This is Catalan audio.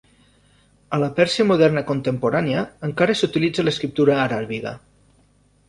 A la Pèrsia moderna contemporània, encara s'utilitza l'escriptura aràbiga.